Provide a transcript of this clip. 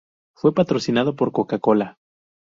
Fue patrocinado por Coca-Cola.